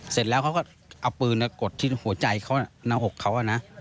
เสร็จแล้วเขาก็เอาปืนกดที่หัวใจเขาหน้าอกเขานะ